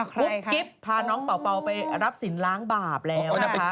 กุ๊บกิ๊บพาน้องเป่าเป่าไปรับศีลล้างบาปแล้ว